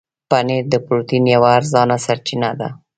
پنېر د پروټين یوه ارزانه سرچینه ده.